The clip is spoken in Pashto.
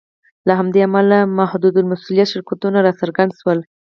له همدې امله محدودالمسوولیت شرکتونه راڅرګند شول.